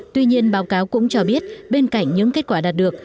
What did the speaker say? tuy nhiên báo cáo cũng cho biết bên cạnh những kết quả đạt được